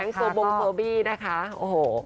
แม้งโซบองเฟอร์บี้นะคะโอ้โห